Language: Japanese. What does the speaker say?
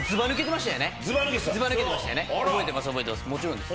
もちろんです。